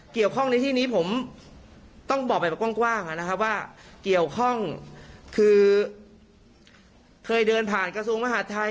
เกี่ยวข้องในที่นี้ผมต้องบอกแบบกว้างนะครับว่าเกี่ยวข้องคือเคยเดินผ่านกระทรวงมหาดไทย